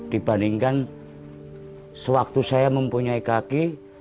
dibandingkan sewaktu saya mempunyai kaki